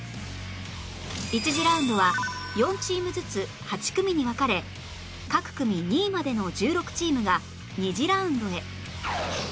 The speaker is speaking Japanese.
１次ラウンドは４チームずつ８組に分かれ各組２位までの１６チームが２次ラウンドへ